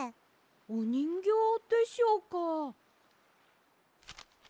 おにんぎょうでしょうか。